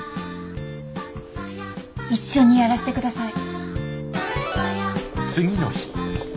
一緒にやらせて下さい。